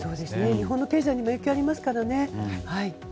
日本の経済にも影響がありますからね。